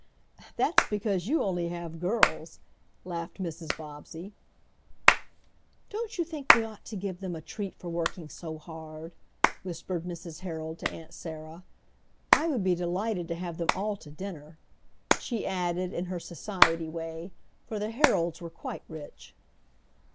"That's because you only have girls," laughed Mrs. Bobbsey. "Don't you think we ought to give them a treat for working so hard?" whispered Mrs. Herold to Aunt Sarah. "I would be delighted to have them all to dinner," she added, in her society way, for the Herolds were quite rich.